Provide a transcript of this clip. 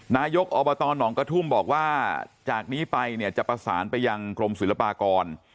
นายกอบตหนองกระทุ่มบอกว่าจากนี้ไปเนี่ยจะประสานไปยังกรมศิลปากร